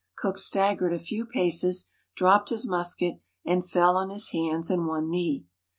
Cook staggered a few paces, dropped his musket, and fell on his hands and one knee.